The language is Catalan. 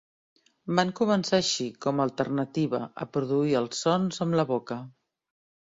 Van començar així, com a alternativa, a produir els sons amb la boca.